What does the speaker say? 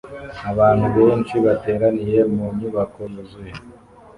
Abantu benshi bateraniye mu nyubako yuzuye